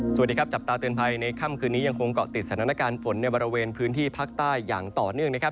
สวัสดีครับจับตาเตือนภัยในค่ำคืนนี้ยังคงเกาะติดสถานการณ์ฝนในบริเวณพื้นที่ภาคใต้อย่างต่อเนื่องนะครับ